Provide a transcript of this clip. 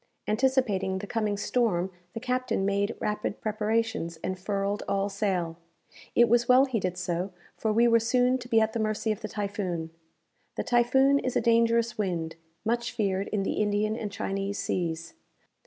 Anticipating the coming storm, the captain made rapid preparations, and furled all sail. It was well he did so; for we were soon to be at the mercy of the typhoon. The typhoon is a dangerous wind, much feared in the Indian and Chinese seas.